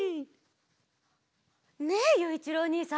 ねえゆういちろうおにいさん！